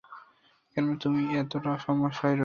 কেননা তুমি এতটা সমস্যায় রয়েছ!